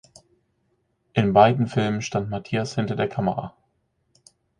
In beiden Filmen stand Mathias hinter der Kamera.